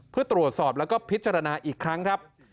เพื่อตรวจสอบแล้วก็พิจารณาอีกครั้งครับ